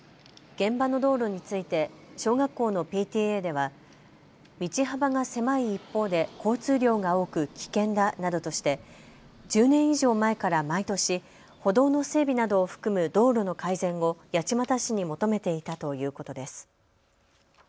現場の道路について小学校のＰＴＡでは道幅が狭い一方で交通量が多く危険だなどとして１０年以上前から毎年、歩道の整備などを含む道路の改善を八街市に求めていたということです。